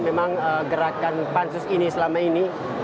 memang gerakan pansus ini selama ini